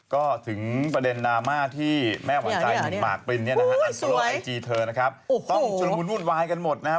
ก็ถึงประเด็นดราม่าที่แม่หวังใจหินมากปรินเนี้ยนะฮะอุ้ยสวยไอจีเธอนะครับโอ้โหต้องจุดมุนวุ่นวายกันหมดนะครับ